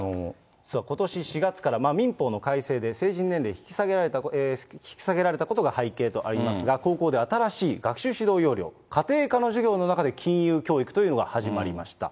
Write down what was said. ことし４月から民法の改正で、成人年齢引き下げられたことが背景とありますが、高校で新しい学習指導要領、家庭科の授業の中で金融教育というのが始まりました。